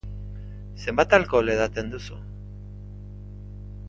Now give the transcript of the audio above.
Zenbat alkohol edaten duzu?